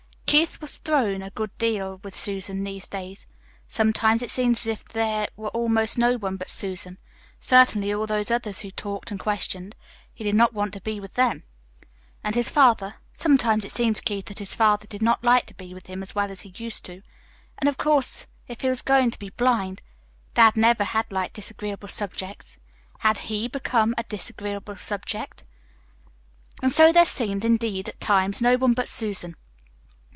Keith was thrown a good deal with Susan these days. Sometimes it seemed as if there were almost no one but Susan. Certainly all those others who talked and questioned he did not want to be with them. And his father sometimes it seemed to Keith that his father did not like to be with him as well as he used to. And, of course, if he was going to be blind Dad never had liked disagreeable subjects. Had HE become a disagreeable subject? And so there seemed, indeed, at times, no one but Susan.